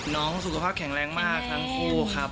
สุขภาพแข็งแรงมากทั้งคู่ครับ